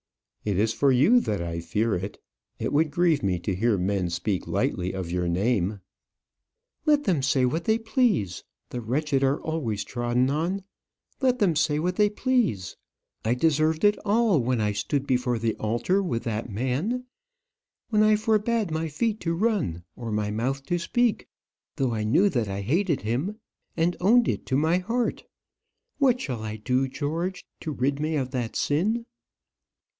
"It is for you that I fear it. It would grieve me to hear men speak lightly of your name." "Let them say what they please; the wretched are always trodden on. Let them say what they please. I deserved it all when I stood before the altar with that man; when I forbade my feet to run, or my mouth to speak, though I knew that I hated him, and owned it to my heart. What shall I do, George, to rid me of that sin?"